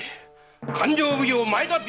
勘定奉行・前田備